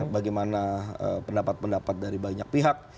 bagaimana pendapat pendapat dari banyak pihak